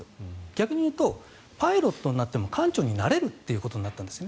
逆に言うとパイロットになっても艦長になれるということになったんです。